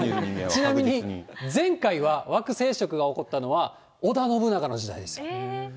ちなみに前回は惑星食が起こったのは、織田信長の時代です。